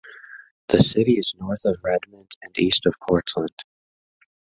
The city is north of Redmond and east of Portland.